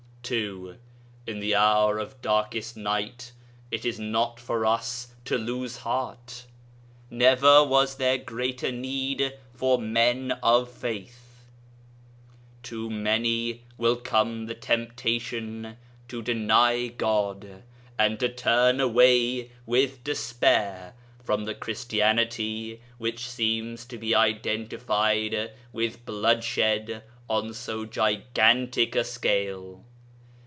2. In the hour of darkest night it is not for us to lose heart. Never was there greater need for men of faith. To many will come the temptation to deny God, and to turn away with despair from the Christianity which seems to be identified with bloodshed on so gigantic a scale.